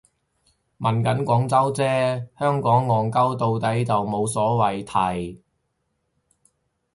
問緊廣州啫，香港戇 𨳊 到底就無謂提